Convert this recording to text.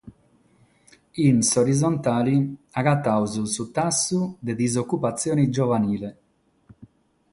In s'orizontale agatamus su tassu de disocupatzione giovanile.